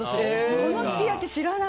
このすき焼き、知らない。